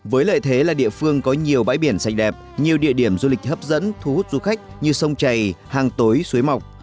với lợi thế là địa phương có nhiều bãi biển xanh đẹp nhiều địa điểm du lịch hấp dẫn thu hút du khách như sông chảy hàng tối suối mọc